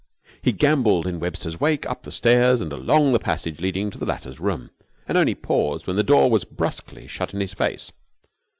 He gambolled in Webster's wake up the stairs and along the passage leading to the latter's room, and only paused when the door was brusquely shut in his face.